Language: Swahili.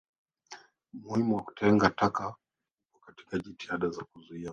Umuhimu wa kutenga taka upo katika jitihada za kuzuia maji